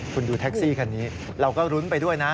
คุณดูแท็กซี่คันนี้เราก็รุ้นไปด้วยนะ